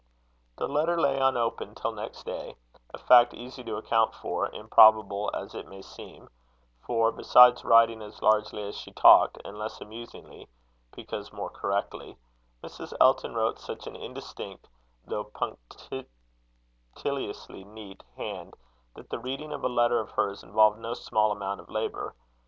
The letter lay unopened till next day a fact easy to account for, improbable as it may seem; for besides writing as largely as she talked, and less amusingly because more correctly, Mrs. Elton wrote such an indistinct though punctiliously neat hand, that the reading of a letter of hers involved no small amount of labour.